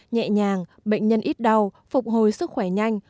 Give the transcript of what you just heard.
nhẹ nhàng bệnh nhân ít đau phục hồi sức khỏe nhanh